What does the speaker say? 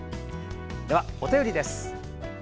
では、お便りです。